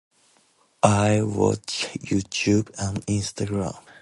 I watch YouTube and Instagram.